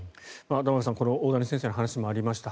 玉川さん大谷先生の話にもありました